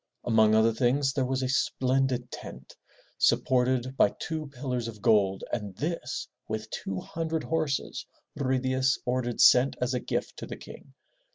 Among other things there was a splendid tent, supported by two pillars of gold, and this, with two hundred horses, Ruy Diaz ordered sent as a gift to the King.